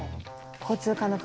交通課の方